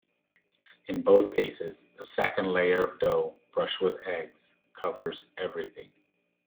In both cases a second layer of dough brushed with eggs covers everything.